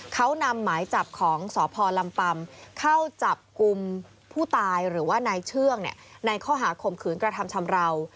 เขานำหมายจับของสพลำปำเข้าจับกลุ่มผู้ตายหรือว่านายเชื่องในข้อหาข่มขืนกระทำชำราว